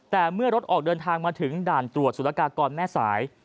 แต่เมื่อรถออกเดินทางมาถึงด่านตรวจสุรกากรแม่สาย